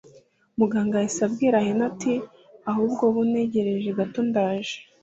Muganga yahise abwira Henry ati ahubwo bunteregereje ndaje gato